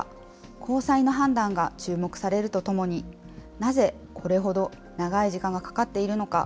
高裁の判断が注目されるとともに、なぜ、これほど長い時間がかかっているのか。